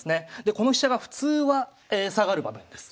この飛車が普通は下がる場面です。